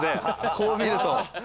こう見ると。